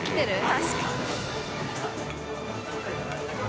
確かに。